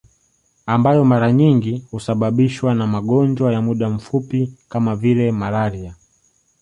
Ambayo mara nyingi husababishwa na magonjwa ya muda mfupi kama vile malaria